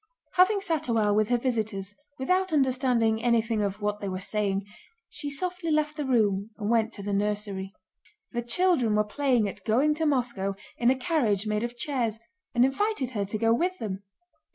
Having sat awhile with her visitors without understanding anything of what they were saying, she softly left the room and went to the nursery. The children were playing at "going to Moscow" in a carriage made of chairs and invited her to go with them.